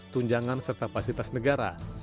tunjangan serta fasilitas negara